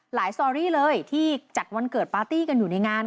สตอรี่เลยที่จัดวันเกิดปาร์ตี้กันอยู่ในงาน